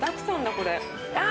これ。